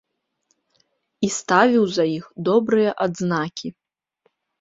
І ставіў за іх добрыя адзнакі.